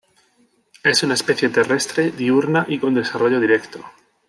Es una especie terrestre, diurna y con desarrollo directo.